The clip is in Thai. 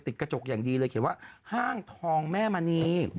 กระจกอย่างดีเลยเขียนว่าห้างทองแม่มณี